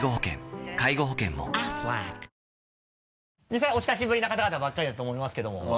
実際お久しぶりな方々ばかりだと思いますけども。